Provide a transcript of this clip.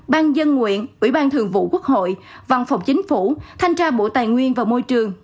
ban dân nguyện ủy ban thường vụ quốc hội văn phòng chính phủ thanh tra bộ tài nguyên và môi trường